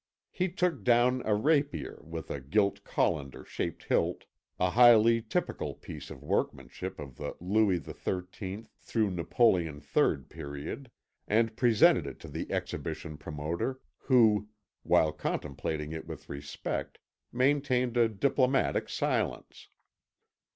He took down a rapier with a gilt colander shaped hilt, a highly typical piece of workmanship of the Louis XIII Napoleon III period, and presented it to the exhibition promoter, who, while contemplating it with respect, maintained a diplomatic silence.